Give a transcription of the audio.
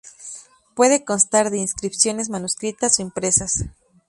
Puede constar de inscripciones manuscritas o impresas.